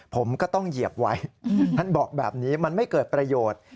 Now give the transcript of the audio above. ผมก็ต้องเหยียบไว้ท่านบอกแบบนี้มันไม่เกิดประโยชน์